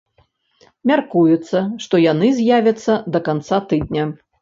Мяркуецца, што яны з'явяцца да канца тыдня.